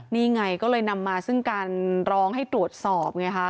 นี่ไงก็เลยนำมาซึ่งการร้องให้ตรวจสอบไงคะ